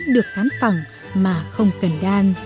được cán phẳng mà không cần đan